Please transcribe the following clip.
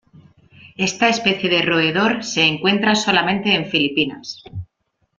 Esta especie de roedor se encuentra solamente en Filipinas.